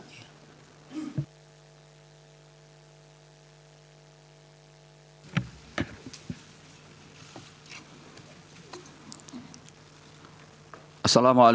assalamu alaikum warahmatullahi wabarakatuh